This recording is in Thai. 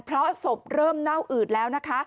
เพราะศพเริ่มเน่าอืดแล้วนะคะ